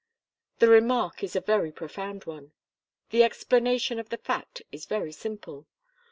The remark is a very profound one. The explanation of the fact is very simple.